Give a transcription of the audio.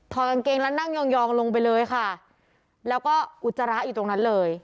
กางเกงแล้วนั่งยองยองลงไปเลยค่ะแล้วก็อุจจาระอยู่ตรงนั้นเลย